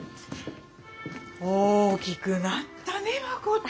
大きくなったね真琴！